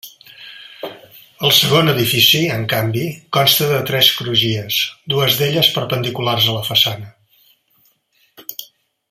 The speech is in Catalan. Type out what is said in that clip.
El segon edifici, en canvi, consta de tres crugies, dues d'elles perpendiculars a la façana.